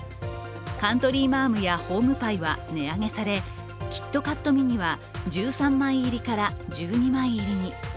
カントリーマアムやホームパイは値上げされキットカットミニは１３枚入りから１２枚入りに。